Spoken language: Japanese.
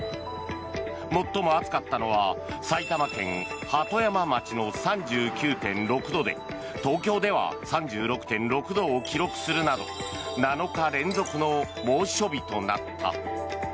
最も暑かったのは埼玉県鳩山町の３９．６度で東京では３６．６度を記録するなど７日連続の猛暑日となった。